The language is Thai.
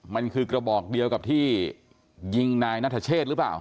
มันคือกระบอกเดียวกับที่ยิงนายนัทเชษหรือเปล่า